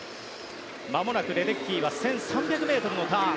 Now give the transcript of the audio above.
まもなくレデッキーは１３００ｍのターン。